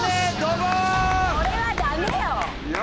これはダメよ！